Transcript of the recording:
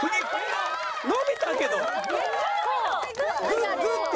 グッグッて。